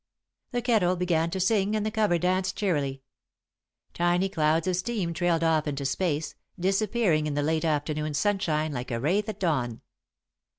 The kettle began to sing and the cover danced cheerily. Tiny clouds of steam trailed off into space, disappearing in the late afternoon sunshine like a wraith at dawn.